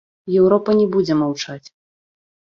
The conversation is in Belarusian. Еўропа не будзе маўчаць.